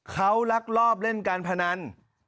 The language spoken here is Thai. เขาลักลอบเล่นการพนัน